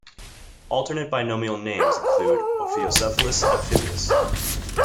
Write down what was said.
Alternate binomial names include "Ophiocephalus amphibeus".